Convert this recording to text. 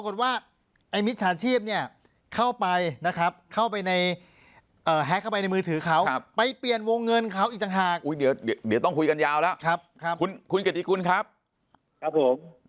เดี๋ยวต้องคุยกันยาวแล้วครับครับคุณเกษตริกุลครับครับผม